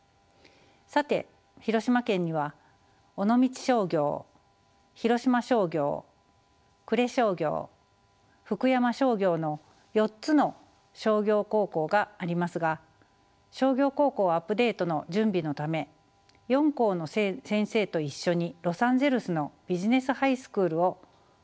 さて広島県には尾道商業広島商業呉商業福山商業の４つの商業高校がありますが商業高校アップデートの準備のため４校の先生と一緒にロサンゼルスのビジネスハイスクールを視察しました。